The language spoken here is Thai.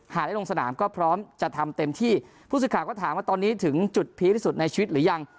ได้ลงสนามก็พร้อมจะทำเต็มที่ผู้สื่อข่าวก็ถามว่าตอนนี้ถึงจุดพีคที่สุดในชีวิตหรือยัง